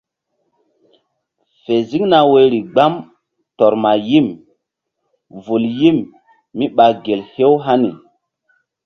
Fe ziŋ na woyri gbam tɔr ma yim vul yim míɓa gel hew hani.